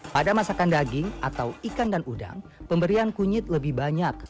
pada masakan daging atau ikan dan udang pemberian kunyit lebih banyak